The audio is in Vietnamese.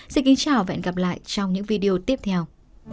xin kính chào và hẹn gặp lại trong những video tiếp theo